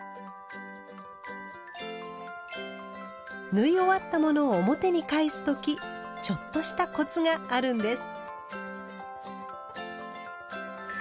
縫い終わったものを表に返す時ちょっとしたコツがあるんです。